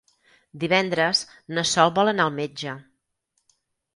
Divendres na Sol vol anar al metge.